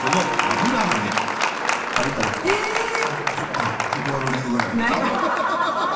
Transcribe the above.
あっ断る理由がないです。